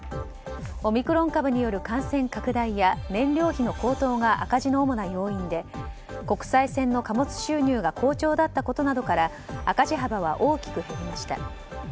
オミクロン株による感染拡大や燃料費の高騰が赤字の主な要因で国際線の貨物収入が好調だったことなどから赤字幅は大きく減りました。